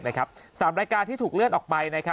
๓รายการที่ถูกเลื่อนออกไป